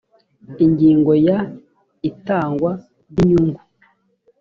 ingingo ya itangwa ry inyungu